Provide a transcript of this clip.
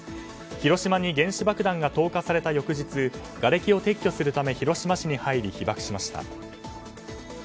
広島に原子爆弾が投下された翌日がれきを撤去するため広島市に入り被爆しました。